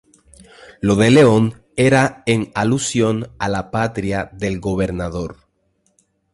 Lo de "León" era en alusión a la patria del gobernador.